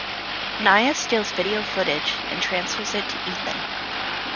Nyah steals video footage and transfers it to Ethan.